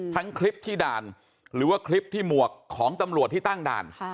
ทั้งคลิปที่ด่านหรือว่าคลิปที่หมวกของตำรวจที่ตั้งด่าน